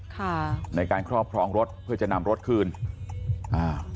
ค่ะในการครอบครองรถเพื่อจะนำรถคืนอ่า